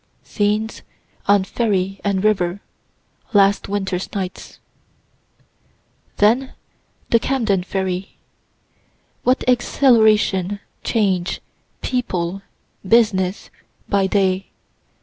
SCENES ON FERRY AND RIVER LAST WINTER'S NIGHTS Then the Camden ferry. What exhilaration, change, people, business, by day.